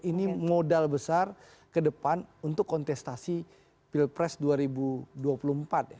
ini modal besar ke depan untuk kontestasi pilpres dua ribu dua puluh empat ya